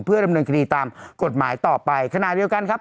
เพื่อดำเนินคดีตามกฎหมายต่อไปขณะเดียวกันครับ